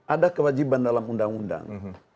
ada kewajiban dalam undang undang